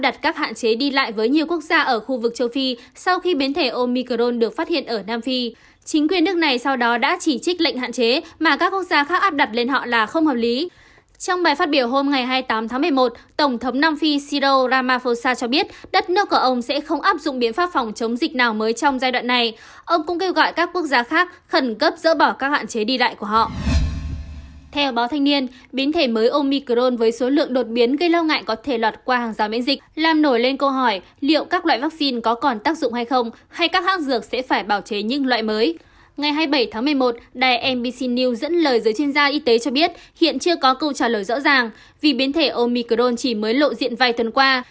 hai mươi bảy tháng một mươi một đài nbc news dẫn lời giới chuyên gia y tế cho biết hiện chưa có câu trả lời rõ ràng vì biến thể omicron chỉ mới lộ diện vài tuần qua